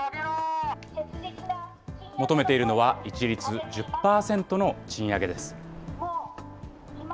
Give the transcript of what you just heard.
求めているのは一律１０％の賃上げです。